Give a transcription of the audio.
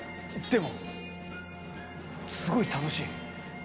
でも、すごい楽しい。